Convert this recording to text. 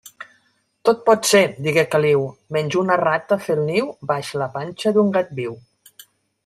Tot pot ser, digué Caliu, menys una rata fer el niu baix la panxa d'un gat viu.